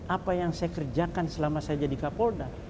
apa yang saya kerjakan selama saya jadi kapolda